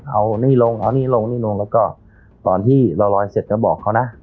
เอานี่ลงเอานี่ลงนี่ลงแล้วก็ตอนที่เราลอยเสร็จก็บอกเขานะ